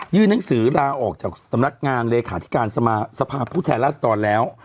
ยื่นนังสือลาออกจากสำนักงานเลขาธิการสมาธิสภาพภูมิแทนล่าสตรอนแล้ว